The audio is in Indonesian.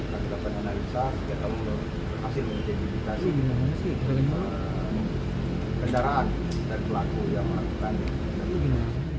kita dapat analisa kita tahu hasil mengidentifikasi dari penyaraan dari pelaku yang melakukan